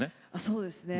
そうですね。